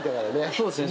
そうですね。